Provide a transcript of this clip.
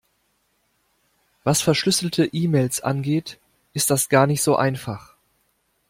Was verschlüsselte E-Mails angeht, ist das gar nicht so einfach.